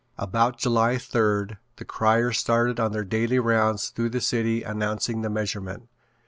About July third the criers started on their daily rounds through the city announcing the measurement.